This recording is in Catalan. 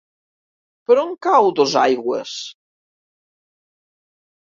Per on cau Dosaigües?